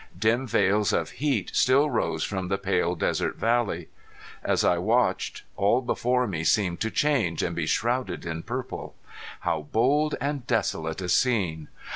Dim veils of heat still rose from the pale desert valley. As I watched all before me seemed to change and be shrouded in purple. How bold and desolate a scene!